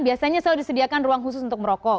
biasanya selalu disediakan ruang khusus untuk merokok